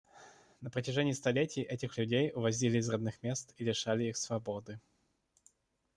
На протяжении столетий этих людей увозили из родных мест и лишали их свободы.